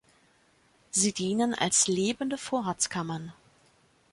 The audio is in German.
Sie dienen als lebende Vorratskammern.